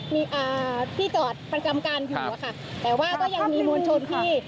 มีอ่าที่จอดประจำการอยู่อะค่ะแต่ว่าก็ยังมีมวลชนที่